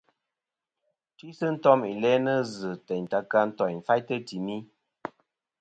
Tisi ntom i lænɨ zɨ teyn ta ka ntoỳnfaytɨ timi.